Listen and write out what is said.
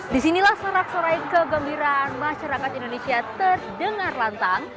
disinilah serak serai kegembiraan masyarakat indonesia terdengar lantang